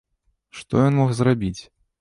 Што ён мог зрабіць?